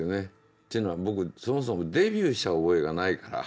っていうのは僕そもそもデビューした覚えがないから。